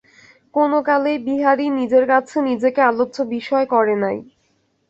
কোনোকালেই বিহারী নিজের কাছে নিজেকে আলোচ্য বিষয় করে নাই।